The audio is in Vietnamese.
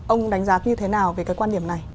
ông đánh giá như thế nào về cái quan điểm này